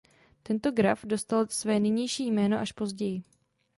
Tento graf dostal své nynější jméno až později.